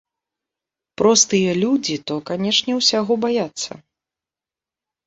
Простыя людзі то, канечне, усяго баяцца.